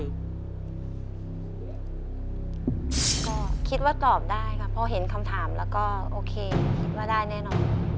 ก็คิดว่าตอบได้ค่ะพอเห็นคำถามแล้วก็โอเคคิดว่าได้แน่นอน